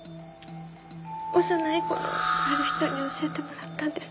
幼い頃ある人に教えてもらったんです。